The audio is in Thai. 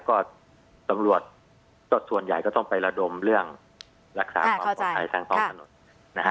ก็สำรวจส่วนใหญ่ก็ต้องไประดมเรื่องรักษาพอร์ไทยทางท้องถนน